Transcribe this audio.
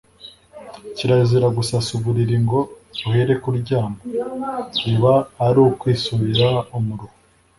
Kirazira gusasa uburiri ngo uhereko uryama, biba ari ukwisurira umuruho